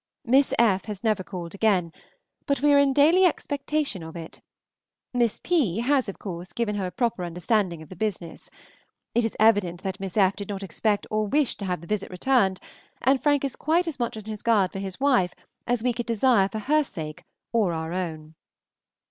Miss F. has never called again, but we are in daily expectation of it. Miss P. has, of course, given her a proper understanding of the business. It is evident that Miss F. did not expect or wish to have the visit returned, and Frank is quite as much on his guard for his wife as we could desire for her sake or our own.